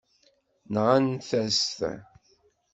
Nɣant-as-t.